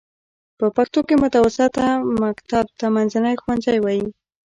په پښتو کې متوسطه مکتب ته منځنی ښوونځی وايي.